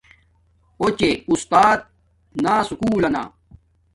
اُوچے اُستات نا سکُول لنا